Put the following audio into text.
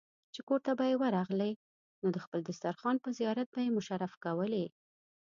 چې کورته به ورغلې نو د خپل دسترخوان په زيارت به يې مشرف کولې.